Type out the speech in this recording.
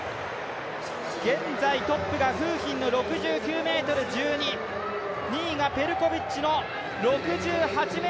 現在、トップが馮彬の６９ｍ１２２位がペルコビッチの６８ｍ４５。